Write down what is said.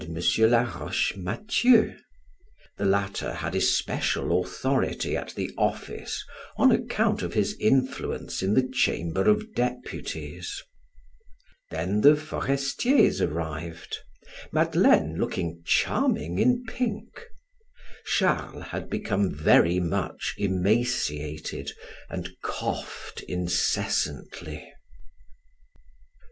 Laroche Mathieu; the latter had especial authority at the office on account of his influence in the chamber of deputies. Then the Forestiers arrived, Madeleine looking charming in pink. Charles had become very much emaciated and coughed incessantly.